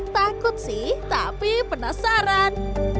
takut sih tapi penasaran